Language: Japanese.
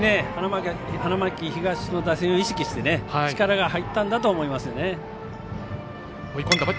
花巻東の打線を意識して力が入ったんだと思いますね。